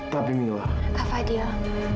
tapi mila fadil